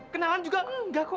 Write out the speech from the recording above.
kenalan juga nggak kok